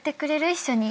一緒に。